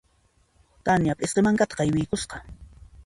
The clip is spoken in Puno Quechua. Tania p'isqi mankata qaywiykusqa.